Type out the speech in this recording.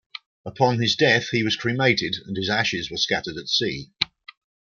Upon his death, he was cremated, and his ashes were scattered at sea.